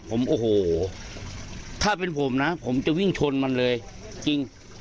ผมโอ้โหถ้าเป็นผมนะผมจะวิ่งชนมันเลยจริง